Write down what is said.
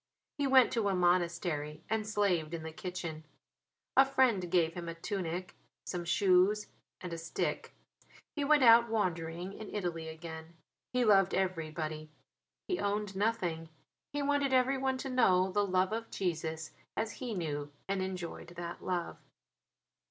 He went to a monastery and slaved in the kitchen. A friend gave him a tunic, some shoes, and a stick. He went out wandering in Italy again. He loved everybody; he owned nothing; he wanted everyone to know the love of Jesus as he knew and enjoyed that love.